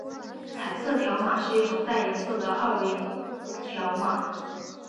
彩色条码是一种带颜色的二维条码。